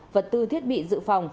vật tư thiết bị dự phòng